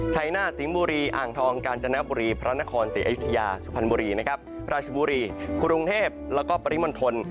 ชัยหน้าสิงห์บุรีอ่างทองกาญจนบุรีพระนครศรีอยุธยาสุพรรณบุรีนะครับราชบุรีกรุงเทพแล้วก็ปริมณฑล